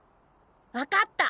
分かった！